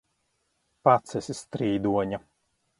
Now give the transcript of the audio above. Pats esi strīdoņa!